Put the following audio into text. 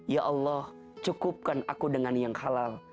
ya allah cukupkan aku dengan yang halal